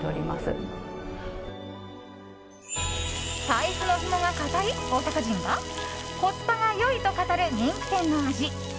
財布のひもが固い大阪人がコスパが良いと語る人気店の味。